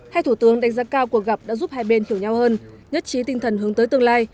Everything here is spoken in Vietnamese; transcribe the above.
hai thủ tướng đánh giá cao cuộc gặp đã giúp hai bên hiểu nhau hơn nhất trí tinh thần hướng tới tương lai